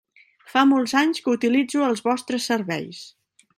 Fa molts anys que utilitzo els vostres serveis.